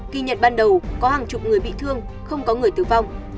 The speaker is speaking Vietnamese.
kỳ nhận ban đầu có hàng chục người bị thương không có người tử vong